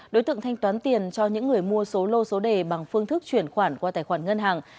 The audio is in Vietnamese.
đối tượng thanh toán tiền cho những người mua số lô số đề bằng phương thức chuyển khoản qua tài khoản ngân hàng